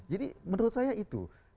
jadi menurut saya itu